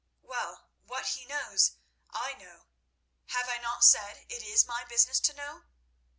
Well, what he knows I know. Have I not said it is my business to know?